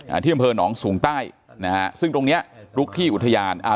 ที่อำเภอหนองสูงใต้นะฮะซึ่งตรงเนี้ยลุกที่อุทยานอ่า